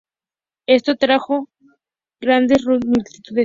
Esto atrajo grandes multitudes.